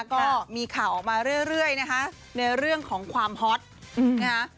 ก็มีข่าวออกมาเรื่อยนะคะในเรื่องของความฮอตนะคะ